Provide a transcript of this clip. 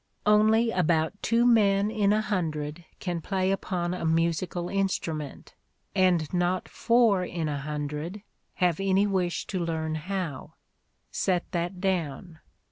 Only about two men in a hundred can play upon a musical instrument, and not four in a hundred have any wish to learn how. Set that down.